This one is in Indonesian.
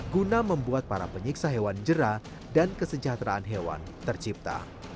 guna membuat para penyiksa hewan jerah dan kesejahteraan hewan tercipta